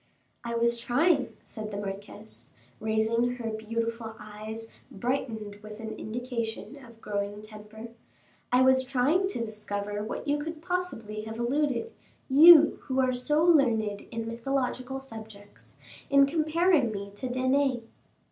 "I was trying," said the marquise, raising her beautiful eyes brightened with an indication of growing temper, "I was trying to discover to what you could possibly have alluded, you who are so learned in mythological subjects, in comparing me to Danae."